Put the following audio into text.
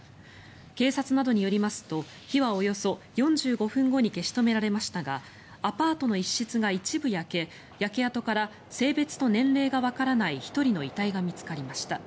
警察などによりますと火はおよそ４５分後に消し止められましたがアパートの一室が一部焼け焼け跡から性別と年齢のわからない１人の遺体が見つかりました。